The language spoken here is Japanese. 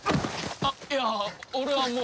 あっいや俺はもう。